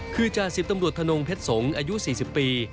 คือจ่าสิบตำรวจธนงเพชรสงฆ์อายุ๔๐ปี